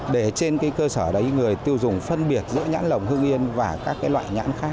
để trên cơ sở đấy người tiêu dùng phân biệt giữa nhãn lồng hương yên và các loại